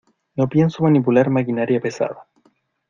no pienso manipular maquinaria pesada.